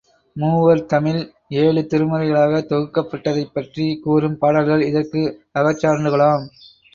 மூவர் தமிழ் ஏழு திருமுறைகளாகத் தொகுக்கப் பட்டதைப் பற்றிக் கூறும் பாடல்கள் இதற்கு அகச்சான்றுகளாம்.